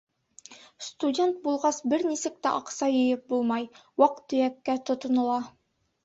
Студент булғас, бер нисек тә аҡса йыйып булмай, ваҡ-төйәккә тотонола.